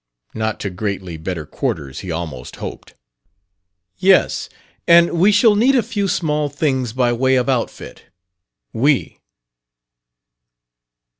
Not to greatly better quarters, he almost hoped. "Yes; and we shall need a few small things by way of outfit." "We."